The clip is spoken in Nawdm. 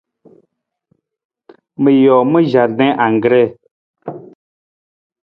Ma joo ma jardin anggree.